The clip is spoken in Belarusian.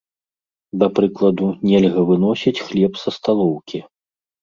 Да прыкладу, нельга выносіць хлеб са сталоўкі.